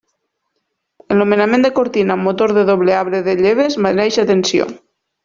El nomenament de Cortina amb motor de doble arbre de lleves mereix atenció.